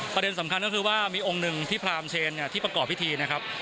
ประเด็นสำคัญก็คือว่ามีองค์หนึ่งที่พรามเชนที่ประกอบพิธีนะครับ